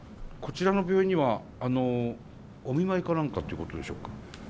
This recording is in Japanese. こちらの病院にはお見舞いか何かっていうことでしょうか？